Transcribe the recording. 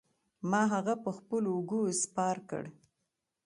ما هغه په خپلو اوږو سپار کړ.